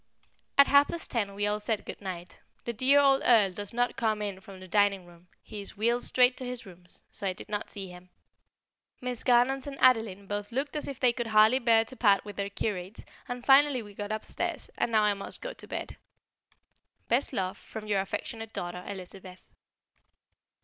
At half past ten we all said good night. The dear old Earl does not come in from the dining room; he is wheeled straight to his rooms, so I did not see him. Miss Garnons and Adeline both looked as if they could hardly bear to part with their curate, and finally we got upstairs, and now I must go to bed. Best love, from your affectionate daughter, Elizabeth.